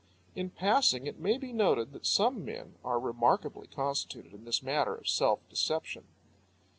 In passing, it may be noted that some men are remarkably constituted in this matter of self deception.